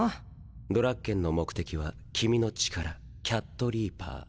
ドラッケンの目的は君の力キャットリーパー。